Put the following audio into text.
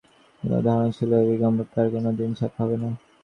নীলুর ধারণা ছিল, এই বিজ্ঞাপনটি আর কোনো দিন ছাপা হবে না।